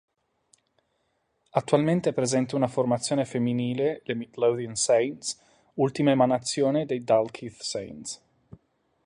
Attualmente è presente una formazione femminile, le Midlothian Saints, ultima emanazione dei Dalkeith Saints.